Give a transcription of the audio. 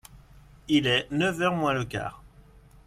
Il est neuf heures moins le quart.